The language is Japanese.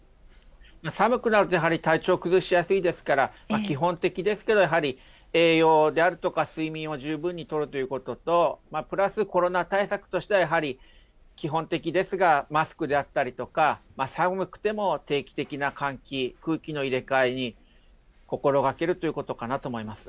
寒くなると、やはり体調を崩しやすいですから、基本的ですけど、やはり栄養であるとか、睡眠を十分にとるということと、プラスコロナ対策としては、やはり基本的ですが、マスクであったりとか、寒くても定期的な換気、空気の入れ替えに心がけるということかなと思います。